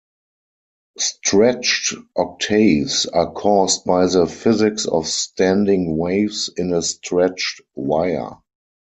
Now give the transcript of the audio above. Stretched octaves are caused by the physics of standing waves in a stretched wire.